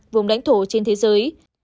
vùng lãnh thổ trên thế giới